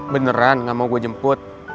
beneran gak mau gue jemput